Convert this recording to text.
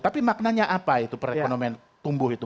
tapi maknanya apa itu perekonomian tumbuh itu